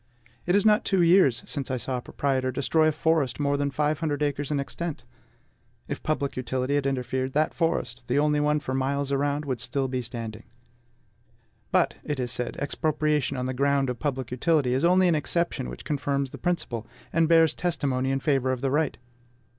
It is not two years since I saw a proprietor destroy a forest more than five hundred acres in extent. If public utility had interfered, that forest the only one for miles around would still be standing. But, it is said, expropriation on the ground of public utility is only an exception which confirms the principle, and bears testimony in favor of the right.